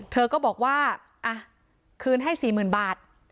เธอก็บอกว่าคืนให้๔๐๐๐บาท